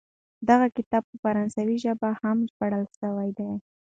دغه کتاب په فرانسوي ژبه هم ژباړل سوی دی.